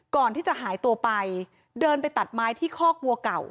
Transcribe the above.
ก่อนที่จะหายตัวไปเดินไปตัดไม้ที่คอกวัวเก่า